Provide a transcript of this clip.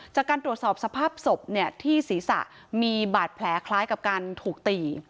จากการตรวจสอบสภาพศพเนี่ยที่ศีรษะมีบาดแผลคล้ายกับการถูกตี